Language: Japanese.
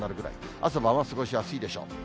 朝晩は過ごしやすいでしょう。